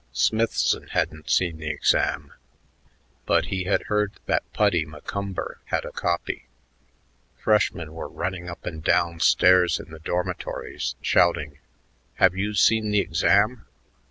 Smithson hadn't seen the exam, but he had heard that Puddy McCumber had a copy.... Freshmen were running up and down stairs in the dormitories, shouting, "Have you seen the exam?"